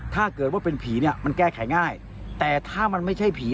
ถ้าเกิดว่าเป็นผีเนี่ยมันแก้ไขง่ายแต่ถ้ามันไม่ใช่ผี